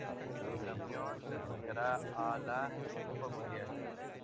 El campeón clasificara a la Copa Mundial.